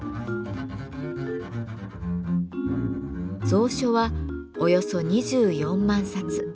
蔵書はおよそ２４万冊。